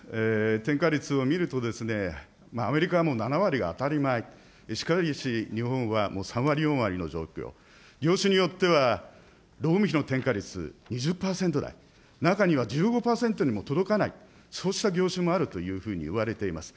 転嫁率を見ると、アメリカも７割が当たり前、しかし日本はもう３割、４割の状況、業種によっては費の転嫁率２０％台、中には１５％にも届かない、そうした業種もあるというふうに言われています。